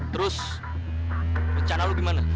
terus rencana lu gimana